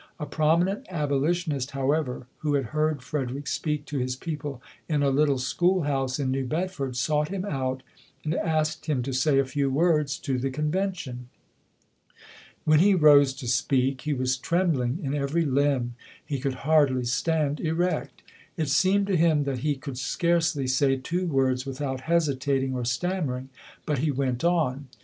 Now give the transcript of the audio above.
A prominent abolition ist, however, who had heard Frederick speak to his people in a little schoolhouse in New Bedford, sought him out and asked him to say a few words to the convention. When he rose to speak, he was trembling in every limb. He could hardly stand erect. It seemed to him that he could scarcely say two words without hesitating or stammering, but he went on.